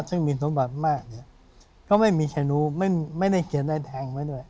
ซึ่งมีสมบัติมากก็ไม่มีใครรู้ไม่ได้เกียรติใดแทงไว้ด้วย